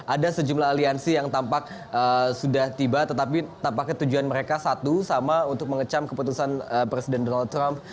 ada sejumlah aliansi yang tampak sudah tiba tetapi tampaknya tujuan mereka satu sama untuk mengecam keputusan presiden donald trump